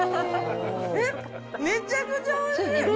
えっ、めちゃくちゃおいしい。